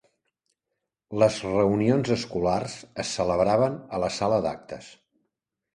Les reunions escolars es celebraven a la sala d'actes.